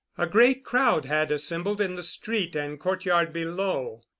A great crowd had assembled in the street and courtyard below.